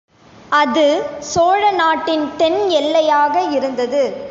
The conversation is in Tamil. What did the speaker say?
அது சோழ நாட்டின் தென் எல்லையாக இருந்தது.